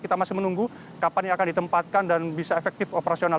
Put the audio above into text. kita masih menunggu kapan ini akan ditempatkan dan bisa efektif operasional